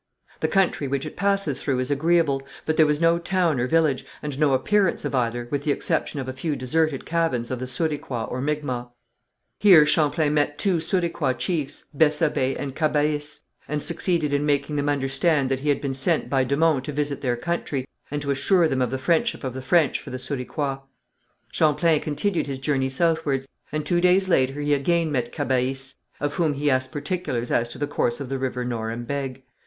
The country which it passes through is agreeable, but there was no town or village, and no appearance of either, with the exception of a few deserted cabins of the Souriquois or Micmacs. Here Champlain met two Souriquois chiefs, Bessabé and Cabahis, and succeeded in making them understand that he had been sent by de Monts to visit their country, and to assure them of the friendship of the French for the Souriquois. Champlain continued his journey southwards, and two days later he again met Cabahis, of whom he asked particulars as to the course of the river Norembègue.